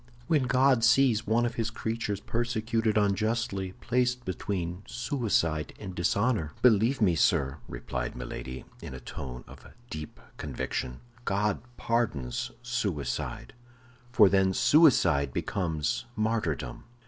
"When God sees one of his creatures persecuted unjustly, placed between suicide and dishonor, believe me, sir," replied Milady, in a tone of deep conviction, "God pardons suicide, for then suicide becomes martyrdom."